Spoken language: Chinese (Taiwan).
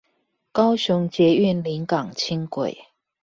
高雄捷運臨港輕軌